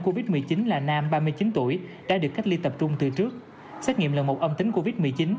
covid một mươi chín là nam ba mươi chín tuổi đã được cách ly tập trung từ trước xét nghiệm lần một âm tính covid một mươi chín